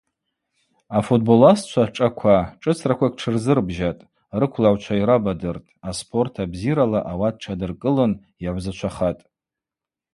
Афутболасчва шӏаква шӏыцраквакӏ тшырзырбжьатӏ, рыквлагӏвчва йрабадыртӏ, аспорт абзирала ауат тшадыркӏылын йагӏвзачвахатӏ.